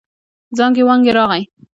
زانګې وانګې راغی.